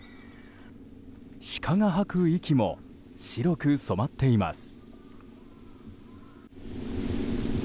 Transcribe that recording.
シカが吐く息も白く染まっています。